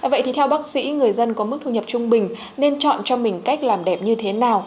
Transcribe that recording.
vậy thì theo bác sĩ người dân có mức thu nhập trung bình nên chọn cho mình cách làm đẹp như thế nào